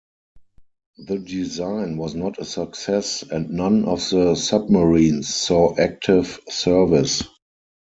The design was not a success and none of the submarines saw active service.